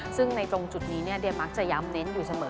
ซึ่งในตรงจุดนี้เดียมักจะย้ำเน้นอยู่เสมอ